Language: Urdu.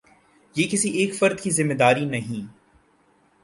یہ کسی ایک فرد کی ذمہ داری نہیں۔